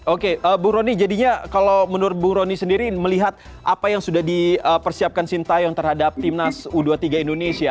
oke bu roni jadinya kalau menurut bu roni sendiri melihat apa yang sudah dipersiapkan sintayong terhadap timnas u dua puluh tiga indonesia